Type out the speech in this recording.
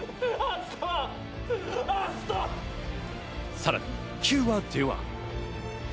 さらに９話では。